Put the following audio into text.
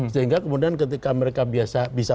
sehingga kemudian ketika mereka bisa